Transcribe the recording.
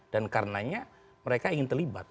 dan karenanya mereka ingin terlibat